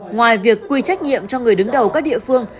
ngoài việc quy trách nhiệm cho người đứng đầu các địa phương